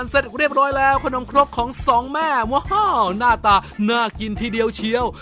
เสร็จเรียบร้อยแล้วขนมครกของสองแม่ว้าวหน้าตาน่ากินทีเดียวเชียว